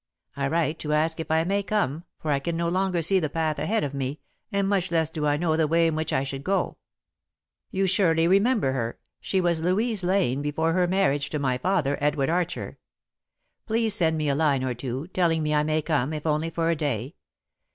I write to ask if I may come, for I can no longer see the path ahead of me, and much less do I know the way in which I should go. [Sidenote: A Schoolmate's Daughter] "'You surely remember her. She was Louise Lane before her marriage to my father, Edward Archer. "'Please send me a line or two, telling me I may come, if only for a day.